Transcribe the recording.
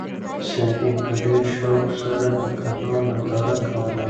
سعید په ډېر شوق سره د کلا ننداره کوله.